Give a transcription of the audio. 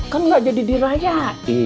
kan gak jadi dirayain